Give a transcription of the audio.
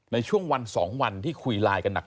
ในช่วงวัน๒วันที่คุยไลน์กันหนัก